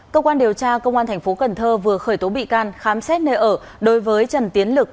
công an điều tra công an tp cần thơ vừa khởi tố bị can khám xét nơi ở đối với trần tiến lực